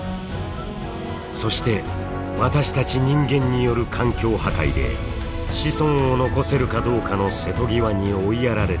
そして私たち人間による環境破壊で子孫を残せるかどうかの瀬戸際に追いやられているもの。